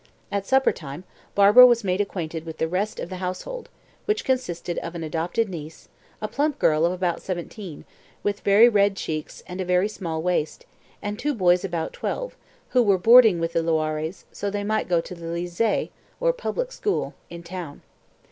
At supper time, Barbara was made acquainted with the rest of the household, which consisted of an adopted niece a plump girl of about seventeen, with very red cheeks and a very small waist and two boys about twelve, who were boarding with the Loirés so that they might go to the Lycée in the town.